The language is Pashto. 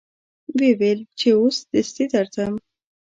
و یې ویل چې اوس دستي درځم.